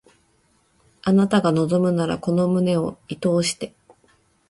あなたが望むならこの胸を射通して